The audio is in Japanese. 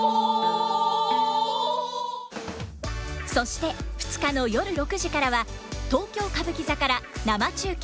そして２日の夜６時からは東京歌舞伎座から生中継。